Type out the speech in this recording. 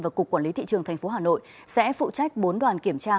và cục quản lý thị trường tp hà nội sẽ phụ trách bốn đoàn kiểm tra